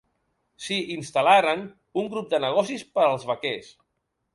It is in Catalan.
S'hi instal·laren un grup de negocis per als vaquers.